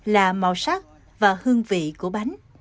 là màu sắc và hương vị của bánh